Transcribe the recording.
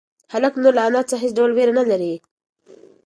هلک نور له انا څخه هېڅ ډول وېره نه لري.